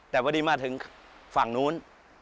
แต่วันนี้มาถึงฝั่งนู้น